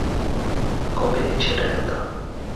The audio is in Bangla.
কবে সেটা জানতাম না।